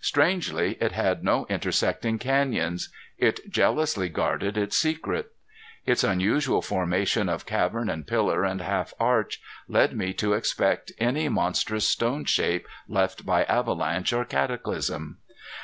Strangely it had no intersecting canyons. It jealously guarded its secret. Its unusual formations of cavern and pillar and half arch led me to expect any monstrous stone shape left by avalanche or cataclysm.